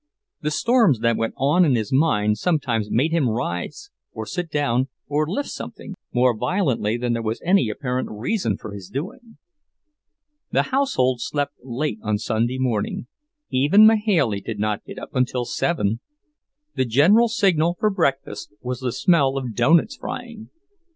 The storms that went on in his mind sometimes made him rise, or sit down, or lift something, more violently than there was any apparent reason for his doing. The household slept late on Sunday morning; even Mahailey did not get up until seven. The general signal for breakfast was the smell of doughnuts frying.